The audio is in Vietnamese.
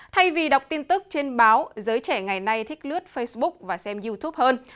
thay vì đọc tin tức trên báo giới trẻ ngày nay thích lướt facebook và xem youtube hơn